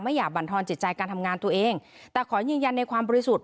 อย่าบรรทอนจิตใจการทำงานตัวเองแต่ขอยืนยันในความบริสุทธิ์